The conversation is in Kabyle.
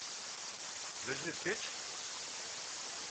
D ajdid kečč?